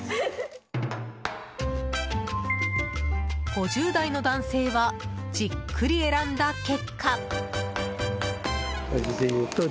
５０代の男性はじっくり選んだ結果。